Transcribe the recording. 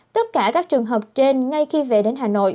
tất cả các trường hợp trên ngay khi về đến hà nội